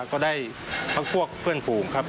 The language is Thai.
ก็ได้พักพวกเพื่อนฝูงครับ